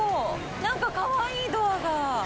なんか、かわいい、ドアが。